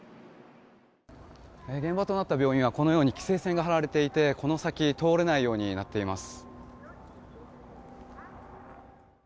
現場となった病院は規制線が張られていてこの先通れないようになっています。